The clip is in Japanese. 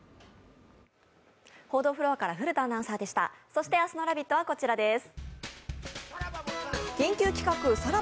そして明日の「ラヴィット！」はこちらです。